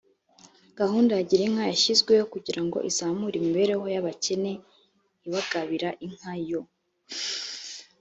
gahunda ya girinka yashyizweho kugira ngo izamure imibereho y abakene ibagabira inka yo